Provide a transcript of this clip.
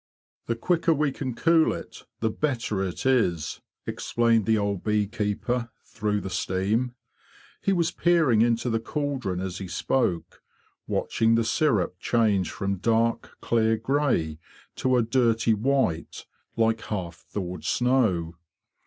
"The quicker we can cool it the better it is,' explained the old bee keeper, through the steam. He was peering into the caldron as he spoke, watch ing the syrup change from dark clear grey to a dirty white, like half thawed snow.